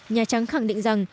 nhà trắng khẳng định rằng